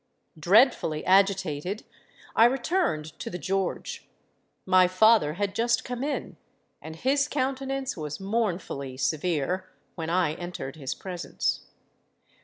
Dreadfully agitated, I returned to the George. My father had just come in; and his countenance was mournfully severe, when I entered his presence.